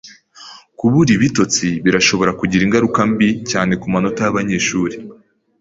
Kubura ibitotsi birashobora kugira ingaruka mbi cyane kumanota yabanyeshuri